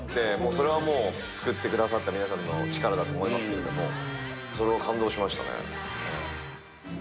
それはもう作ってくださった皆さんの力だと思いますけれどもそれは感動しましたね。